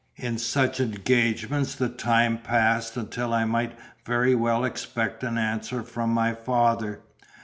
In such engagements the time passed until I might very well expect an answer from my father.